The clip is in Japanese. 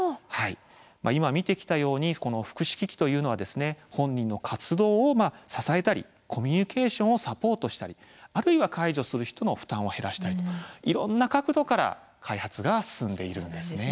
今、見てきたように福祉機器というのは本人の活動を支えたりコミュニケーションをサポートしたり介助する人の負担を減らしたりといろいろな角度から開発が続いているんです。